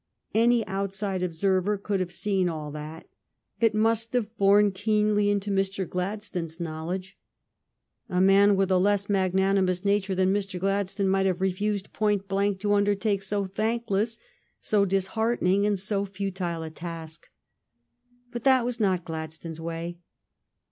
Any outside observer could have seen all that. It must have been borne keenly into Mr. Gladstone's knowledge. A man with a less magnanimous nature than Mr. Gladstone might have refused point blank to undertake so thank less, so disheartening, and so futile a task. But that was not Gladstone's way.